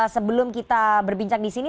sebelum kita berbincang disini